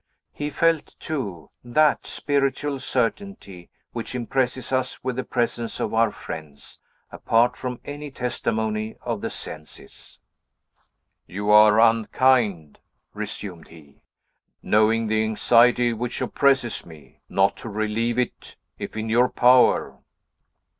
He felt, too, that spiritual certainty which impresses us with the presence of our friends, apart from any testimony of the senses. "You are unkind," resumed he, "knowing the anxiety which oppresses me, not to relieve it, if in your power."